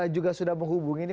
juga sudah menghubungi ini